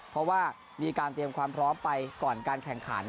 เพราะว่ามีการเตรียมความพร้อมไปก่อนการแข่งขัน